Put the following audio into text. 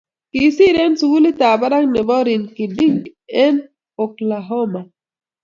Kisir eng sugulitab barak nebo rinky- dink eng Oklahoma.